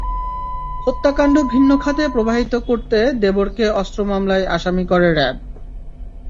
হত্যাকাণ্ড ভিন্ন খাতে প্রবাহিত করতে দেবরকে অস্ত্র মামলায় আসামি করে র্যাব।